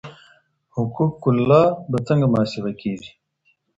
حقوق الله به څنګه محاسبه کېږي؟